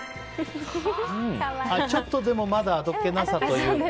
ちょっとまだあどけなさというか。